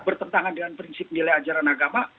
bertentangan dengan prinsip nilai ajaran agama